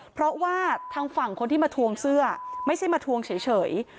เพราะว่าทางฝั่งคนที่มาทวงเสื้อไม่ใช่มาทวงเฉย